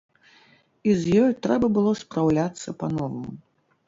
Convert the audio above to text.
І з ёй трэба было спраўляцца па-новаму.